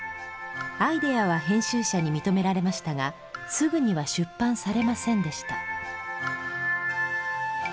アイデアは編集者に認められましたがすぐには出版されませんでした。